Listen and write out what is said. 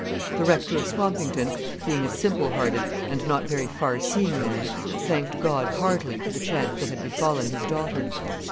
The Rector of Swampington, being a simple hearted and not very far seeing man, thanked God heartily for the chance that had befallen his daughter.